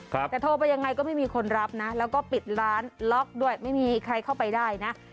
แต่โทรไปยังไงก็ไม่มีคนรับนะแล้วก็ปิดร้านล็อกด้วยไม่มีใครเข้าไปได้นะ